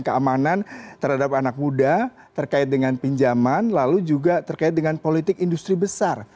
keamanan terhadap anak muda terkait dengan pinjaman lalu juga terkait dengan politik industri besar